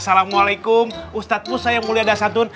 assalamualaikum ustadz mursa yang mulia dasyatun